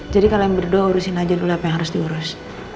kalau yang berdua urusin aja dulu apa yang harus diurus